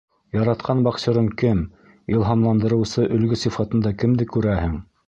Яратҡан боксерың кем, илһамландырыусы өлгө сифатында кемде күрәһең?